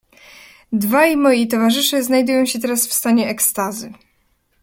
"Dwaj moi towarzysze znajdują się teraz w stanie ekstazy."